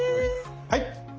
はい！